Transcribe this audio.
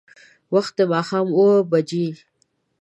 وخت د ماښام اوبه بجې.